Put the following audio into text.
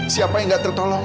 siapa yang tidak tertolong